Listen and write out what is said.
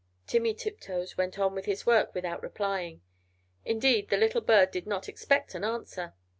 Timmy Tiptoes went on with his work without replying; indeed, the little bird did not expect an answer.